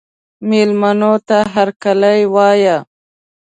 مېلمنو ته هرکلی وایه.